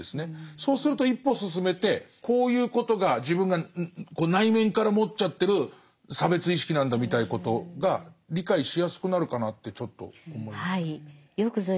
そうすると一歩進めてこういうことが自分がこう内面から持っちゃってる差別意識なんだみたいなことが理解しやすくなるかなってちょっと思いました。